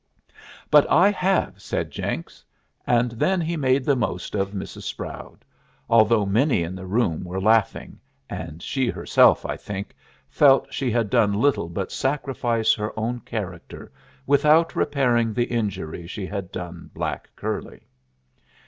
"But I have," said Jenks. And then he made the most of Mrs. Sproud, although many in the room were laughing, and she herself, I think, felt she had done little but sacrifice her own character without repairing the injury she had done black curly.